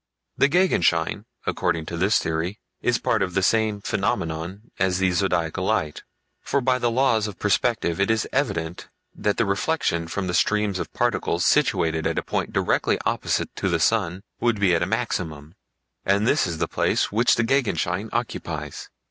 The Gegenschein, according to this theory, is a part of the same phenomenon as the Zodiacal Light, for by the laws of perspective it is evident that the reflection from the streams of particles situated at a point directly opposite to the sun would be at a maximum, and this is the place which the Gegenschein occupies.